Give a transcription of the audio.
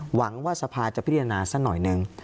หวังว่าสภาจะพิจารณาสักหน่อยหนึ่ง